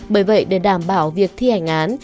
bởi vậy để đảm bảo việc thi hành án